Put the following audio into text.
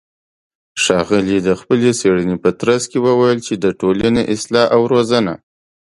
ښاغلى د خپلې څېړنې په ترڅ کې وويل چې د ټولنې اصلاح او روزنه